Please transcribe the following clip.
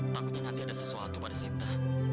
takutnya nanti ada sesuatu pada sinta